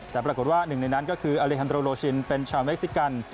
แต่ปรากฏว่าหนึ่งในนั้นก็คืออเลฮันโรชินเป็นชาวเม็กซิกัน